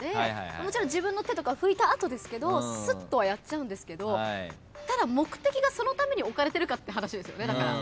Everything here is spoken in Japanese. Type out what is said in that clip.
もちろん自分の手とか拭いた後ですけどすっとはやっちゃうんですけどただ目的がそのために置かれてるかって話。